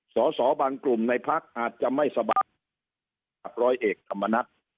สอสอบางกลุ่มในพักอาจจะไม่สบายกับร้อยเอกธรรมนัฐ